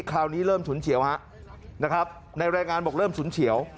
คราวนี้เริ่มฉุนเฉียวฮะนะครับในรายงานบอกเริ่มฉุนเฉียว